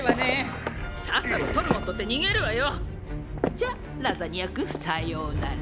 じゃラザニア君さようなら。